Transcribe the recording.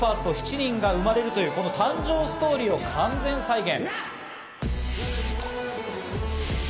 ７人が生まれるというこの誕生ストーリーを完全再現。